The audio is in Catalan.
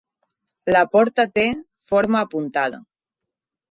La porta té forma apuntada.